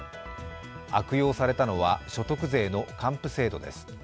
悪用されたのは所得税の還付制度です。